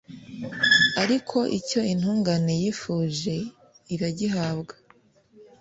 ariko icyo intungane yifuje iragihabwa